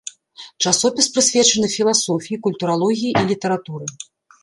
Часопіс прысвечаны філасофіі, культуралогіі і літаратуры.